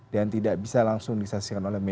dan tidak bisa langsung disaksikan oleh bnp